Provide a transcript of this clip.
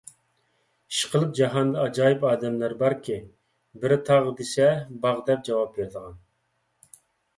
ئىشقىلىپ جاھاندا ئاجايىپ ئادەملەر باركى، بىرى تاغ دېسە، باغ دەپ جاۋاب بېرىدىغان.